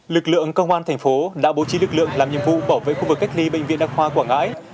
lực lượng công an thành phố đã bố trí lực lượng làm nhiệm vụ bảo vệ khu vực cách ly bệnh viện đặc khoa quảng ngãi